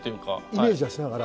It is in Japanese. イメージはしながら？